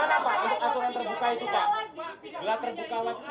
aturannya dari mana pak aturan terbuka itu pak gelar terbuka waktu di mana pak